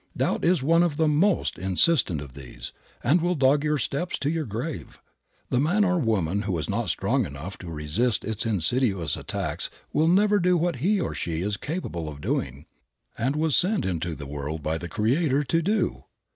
Doubt is one of the most insistent of these, and will dog your steps to your grave. The man or woman who is not strong enough to resist its insidious attacks will never do what he or she is capable of doing, and was sent into the world by the Creator to do.